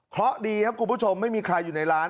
เพราะดีครับคุณผู้ชมไม่มีใครอยู่ในร้าน